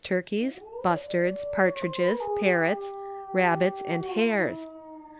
22T turkeys, bustards, partridges, parrots, rabbits, and bares.